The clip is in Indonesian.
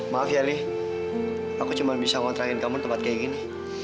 maaf ya li aku cuma bisa ngontrangin kamu tempat kayak gini